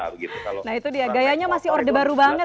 nah itu dia gayanya masih orde baru banget